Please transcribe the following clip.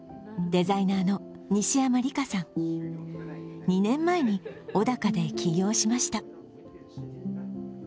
デザイナーの西山里佳さん、２年前に小高で起業しました。